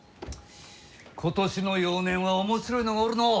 今年の幼年は面白いのがおるのう。